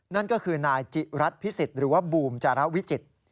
นั่นก็คือนายจิรัตนพิสิทธิ์หรือว่าบูมจาระวิจิตร